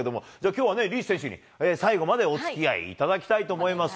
きょうはリーチ選手に最後までおつきあいいただきたいと思います。